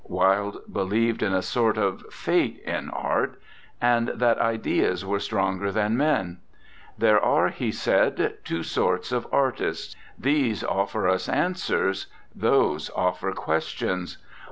Wilde believed in a sort of fate in art, and that ideas were stronger than men. " There are," he said, "two sorts of artists: these offer us answers; those offer questions.